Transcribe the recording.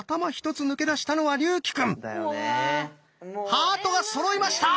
ハートがそろいました！